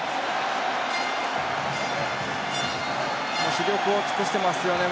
死力を尽くしていますよね。